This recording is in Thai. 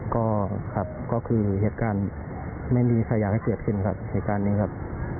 ก็แบบก็คือเหตุการณ์แม่งดีใครอยากให้เกิดขึ้นครับ